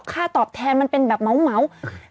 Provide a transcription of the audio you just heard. ค่าตอบแทนมันเป็นแบบเหมา